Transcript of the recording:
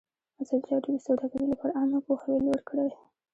ازادي راډیو د سوداګري لپاره عامه پوهاوي لوړ کړی.